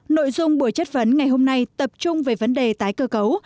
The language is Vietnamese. nội dung buổi chất vấn ngày hôm nay tập trung về vấn đề tái cơ cấu